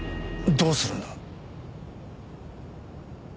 どうするんだ？